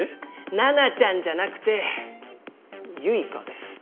ナナちゃんじゃなくて結花です。